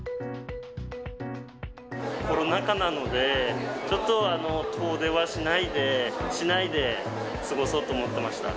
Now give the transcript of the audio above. コロナ禍なので、ちょっと遠出はしないで、市内で過ごそうと思ってました。